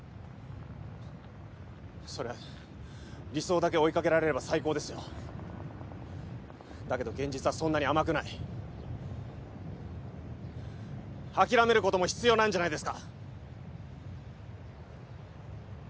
そりゃ理想だけ追いかけられれば最高ですよだけど現実はそんなに甘くない諦めることも必要なんじゃないですか？